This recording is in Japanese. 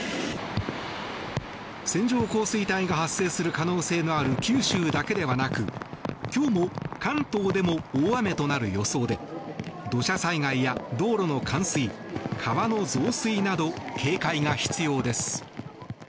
線状降水帯が発生する可能性がある九州だけでなく今日も関東でも大雨となる予想で土砂災害や道路の冠水川の増水など警戒が必要です。